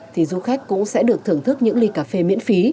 thì du khách cũng sẽ được thưởng thức những ly cà phê miễn phí